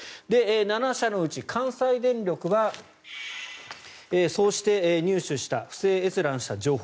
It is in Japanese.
７社のうち関西電力はそうして入手した不正閲覧した情報